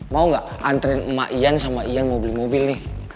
mau nggak anterin emak iyan sama iyan mau beli mobil nih